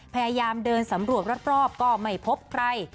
พยายามเดินสำรวจรอบก็ไม่พบใคร